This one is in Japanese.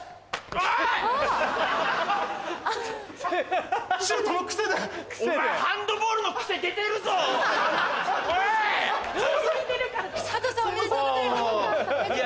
おい！